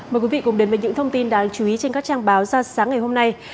mời quý vị cùng đến với những thông tin đáng chú ý trên các trang báo ra sáng ngày hôm nay